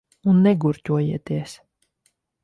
Un negurķojieties.